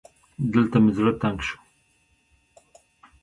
دلته مې زړه تنګ شو